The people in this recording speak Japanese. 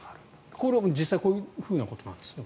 これは実際こういうふうなことですか？